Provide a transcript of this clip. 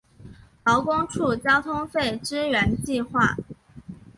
劳工处交通费支援计划